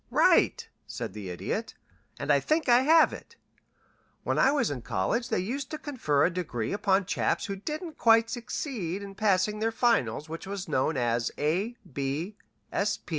"Right," said the Idiot. "And I think I have it. When I was in college they used to confer a degree upon chaps who didn't quite succeed in passing their finals which was known as A.